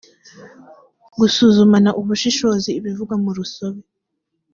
gusuzumana ubushishozi ibivugwa mu rusobe